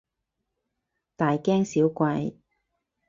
大驚小怪